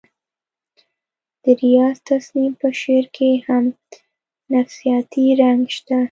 د ریاض تسنیم په شعر کې هم نفسیاتي رنګ شته